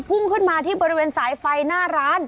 พุ่งขึ้นมาที่บริเวณสายไฟหน้าร้าน